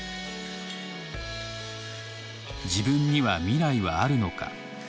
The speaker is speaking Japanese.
「自分には未来はあるのか」。